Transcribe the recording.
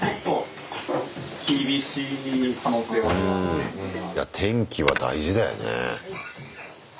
うんいや天気は大事だよね。